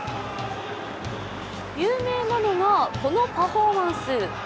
有名なのがこのパフォーマンス。